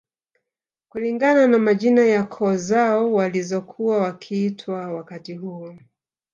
Kulingana na majina ya koo zao walizokuwa wakiitwa wakati huo